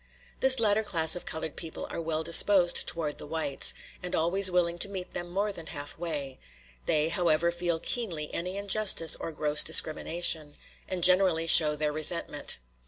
This latter class of colored people are well disposed towards the whites, and always willing to meet them more than halfway. They, however, feel keenly any injustice or gross discrimination, and generally show their resentment.